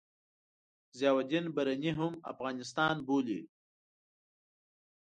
ضیاألدین برني هم افغانستان بولي.